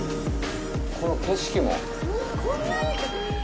この景色も。